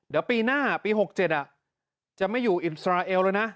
เดี๋ยวปีหน้าปี๖๗จะไม่อยู่อิสราเอลแล้วนะ